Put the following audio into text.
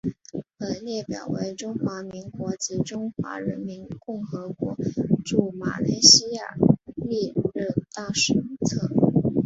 本列表为中华民国及中华人民共和国驻马来西亚历任大使名录。